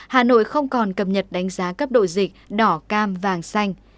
hà nội không còn cập nhật đánh giá cấp độ dịch đỏ cam vàng xanh